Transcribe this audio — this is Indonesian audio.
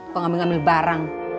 kalo bukan kamu